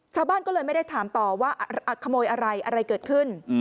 ชาวบ้านก็เลยไม่ได้ถามต่อว่าขโมยอะไรอะไรเกิดขึ้น